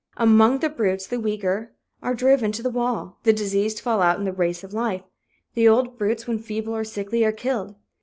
Among the brutes, the weaker are driven to the wall, the diseased fall out in the race of life. The old brutes, when feeble or sickly, are killed.